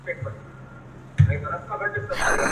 د تمدنونو ترمنځ سیالۍ روانې وې